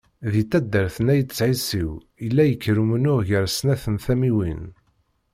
Di taddart n Ayt Tɛisiwt yella yekker umennuɣ gar snat n tamiwin.